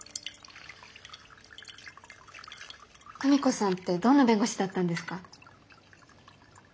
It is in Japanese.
久美子さんってどんな弁護士だったんですか？